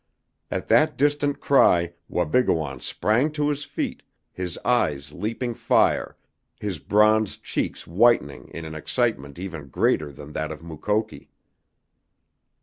At that distant cry Wabigoon sprang to his feet, his eyes leaping fire, his bronzed cheeks whitening in an excitement even greater than that of Mukoki.